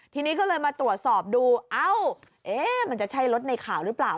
ทีนี้ก็เลยมาตรวจสอบดูเอ้ามันจะใช่รถในข่าวหรือเปล่า